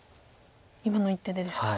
今の一手でですか。